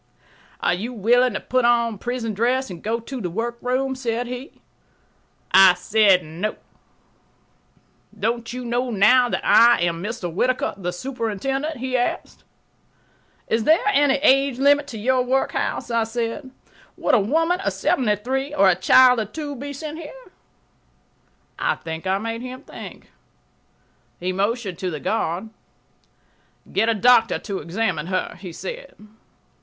"Are you willing to put on prison dress and go to the workroom?" said he. I said, "No." "Don't you know now that I am Mr. Whittaker, the superintendent?" he asked. "Is there any age limit to your workhouse?" I said. "Would a woman of seventy three or a child of two be sent here?" I think I made him think. He motioned to the guard. "Get a doctor to examine her," he said.